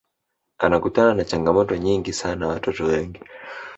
anakutana na changamoto nyingi sana watoto wengi